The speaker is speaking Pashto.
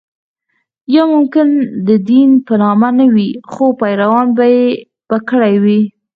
یا ممکن د دین په نامه نه وي خو پیروانو به کړې وي.